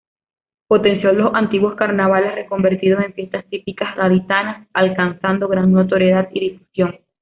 Potenció los antiguos carnavales, reconvertidos en Fiestas Típicas Gaditanas, alcanzando gran notoriedad y difusión.